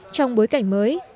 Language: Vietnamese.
trong bối cảnh mới